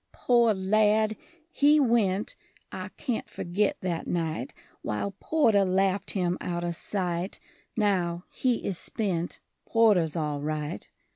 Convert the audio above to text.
Poor lad! he went I can't forgit that night While Porter laughed him outer sight; Now he is spent: Porter's all right.